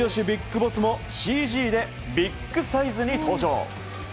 ビッグボスもＣＧでビッグサイズに登場。